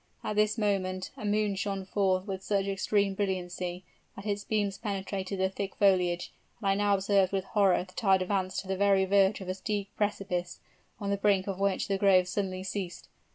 At this moment the moon shone forth with such extreme brilliancy, that its beams penetrated the thick foliage; and I now observed with horror that I had advanced to the very verge of a steep precipice, on the brink of which the grove suddenly ceased.